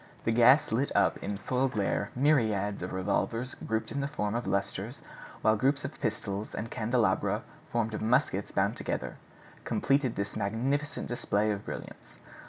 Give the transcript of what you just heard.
The gas lit up in full glare myriads of revolvers grouped in the form of lustres, while groups of pistols, and candelabra formed of muskets bound together, completed this magnificent display of brilliance.